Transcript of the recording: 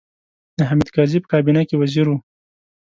د حامد کرزي په کابینه کې وزیر و.